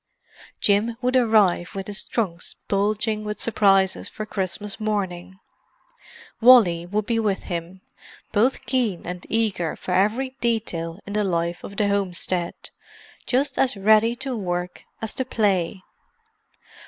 Jim would arrive with his trunks bulging with surprises for Christmas morning; Wally would be with him, both keen and eager for every detail in the life of the homestead, just as ready to work as to play.